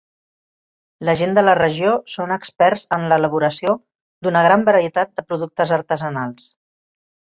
La gent de la regió són experts en l'elaboració d'una gran varietat de productes artesanals.